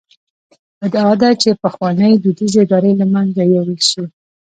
ادعا ده چې پخوانۍ دودیزې ادارې له منځه یووړل شي.